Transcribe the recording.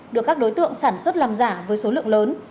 được các đối tượng sản xuất làm giả với số lượng lớn